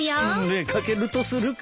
出掛けるとするか。